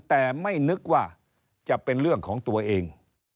แต่ไม่นึกว่าจะเป็นเรื่องของตัวเอง